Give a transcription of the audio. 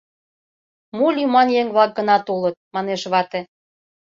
— Мо лӱман еҥ-влак гына толыт?! — манеш вате.